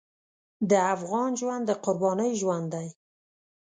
د افغان ژوند د قربانۍ ژوند دی.